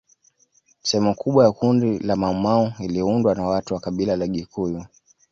Sehemu kubwa ya kundi la Maumau iliundwa na watu wa kabila la Gikuyu